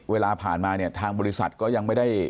เวลาผ่านมาเนี่ยทางบริษัทก็ยังไม่ได้